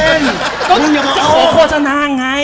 มึงอยากจะฟังโฆษณาไง